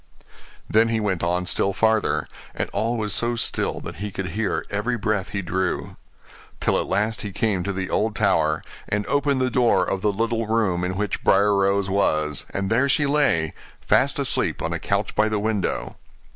Then he went on still farther, and all was so still that he could hear every breath he drew; till at last he came to the old tower, and opened the door of the little room in which Briar Rose was; and there she lay, fast asleep on a couch by the window.